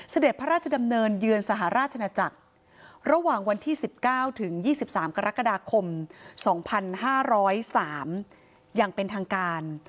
เสด็จพระราชดำเนินเยือนสหราชนาจักรระหว่างวันที่๑๙ถึง๒๓กรกฎาคม๒๕๐๓อย่างเป็นทางการ